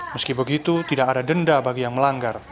meski begitu tidak ada denda bagi yang melanggar